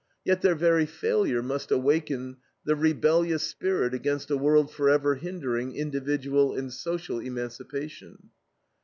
Yet their very failure must awaken the rebellious spirit against a world forever hindering individual and social emancipation.